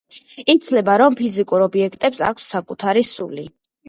ითვლება, რომ ფიზიკურ ობიექტებს აქვთ საკუთარი სული.